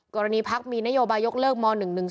กรณีภักดิ์มีนโยบายกเลิกม๑๑๒